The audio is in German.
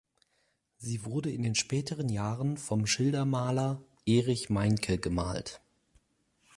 Sie wurde in den späteren Jahren vom Schildermaler Erich Meinke gemalt.